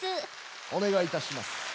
おねがいいたします。